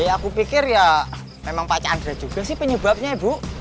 ya aku pikir ya memang pak chandra juga sih penyebabnya ya bu